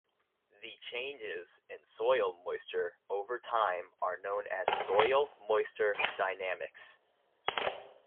The changes in soil moisture over time are known as soil moisture dynamics.